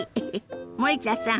森田さん